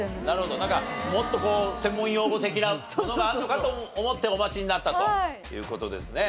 なんかもっとこう専門用語的なものがあるのかと思ってお待ちになったという事ですね。